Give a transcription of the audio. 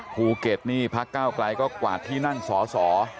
ภูเก็ตนี่พักเก้าไกลก็กวาดที่นั่งสอสอ